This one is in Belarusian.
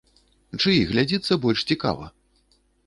Чый глядзіцца больш цікава?